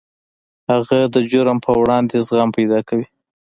هغه د جرم پر وړاندې زغم پیدا کوي